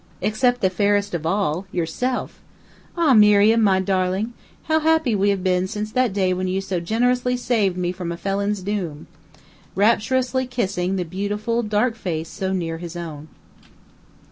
"Except the fairest of all yourself. Ah, Miriam, my darling! how happy we have been since that day when you so generously saved me from a felon's doom!" rapturously kissing the beautiful, dark face so near his own.